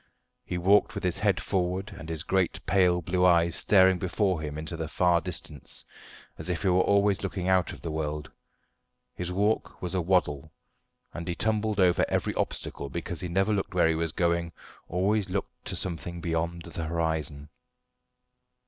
He walked with his head forward and his great pale blue eyes staring before him into the far distance, as if he were always looking out of the world. His walk was a waddle, and he tumbled over every obstacle, because he never looked where he was going, always looked to something beyond the horizon.